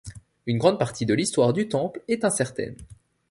Une grande partie de l'histoire du temple est incertaine.